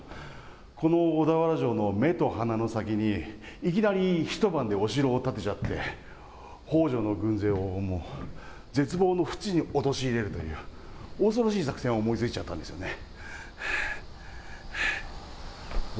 この小田原城の目と鼻の先にいきなり一晩でお城を建てちゃって、北条の軍勢を絶望のふちに陥れるという恐ろしい作戦を思いついちゃったんですよね。